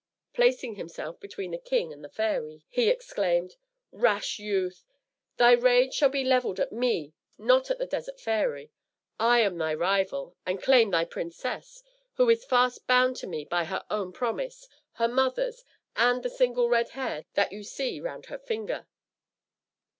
Placing himself between the king and the fairy, he exclaimed, "Rash youth! thy rage shall be levelled at me, not at the Desert Fairy. I am thy rival, and claim thy princess, who is fast bound to me by her own promise, her mother's, and the single red hair that you see round her finger."